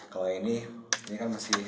kalau ini ini kan masih kosong ya